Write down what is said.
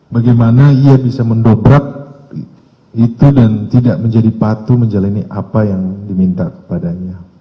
bagaimana ia bisa mendobrak itu dan tidak menjadi patuh menjalani apa yang diminta kepadanya